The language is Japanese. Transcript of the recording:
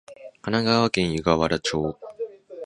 神奈川県湯河原町